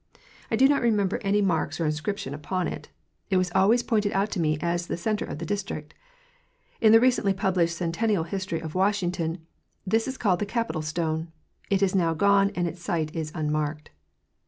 I do not remember any marks or 162 AM. Baker—Surveys and Maps, District of Columbia. inscription upon it. It was always pointed out to me as the center of the District. In the recently published centennial history of Washington this is called the Capitol stone. It is now gone and its site is unmarked.